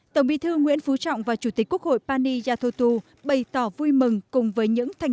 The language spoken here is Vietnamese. tổng bí thư nguyễn phú trọng và chủ tịch quốc hội pani yathutu bày tỏ vui mừng